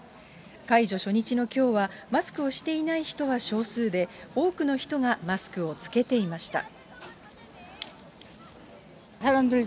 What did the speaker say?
解除初日のきょうは、マスクをしていない人は少数で、多くの人がマスクを着けていました。